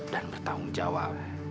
dan bertanggung jawab